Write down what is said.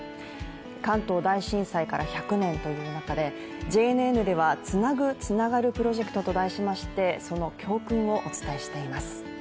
関東大震災から１００年という中で、ＪＮＮでは「つなぐ、つながるプロジェクト」と題しまして、その教訓をお伝えしています。